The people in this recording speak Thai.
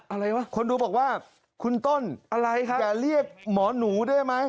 อะไรวะคนดูบอกว่าคุณต้นอะไรคะอย่าเรียกหมอหนูได้ไหม